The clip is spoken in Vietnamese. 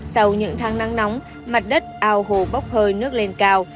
sau những tháng nắng nóng mặt đất ao hồ bốc hơi nước lên cao